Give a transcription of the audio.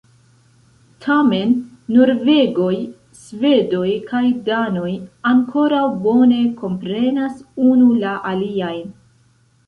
Tamen, norvegoj, svedoj kaj danoj ankoraŭ bone komprenas unu la aliajn.